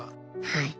はい。